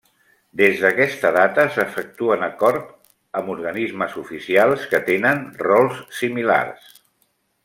Des d'aquesta data s'efectuen acord amb organismes oficials que tenen rols similars.